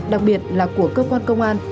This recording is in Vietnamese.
đặc biệt là của cơ quan công an